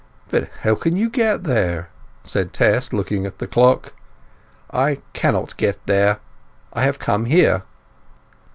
"But how can you get there?" said Tess, looking at the clock. "I cannot get there! I have come here."